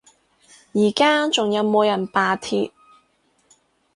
而家仲有冇人罷鐵？